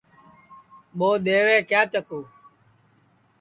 ٻو دؔیوے کیا چکُو